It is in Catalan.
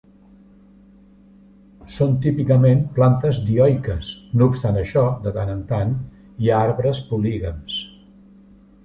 Són típicament plantes dioiques; no obstant això, de tant en tant hi ha arbres polígams.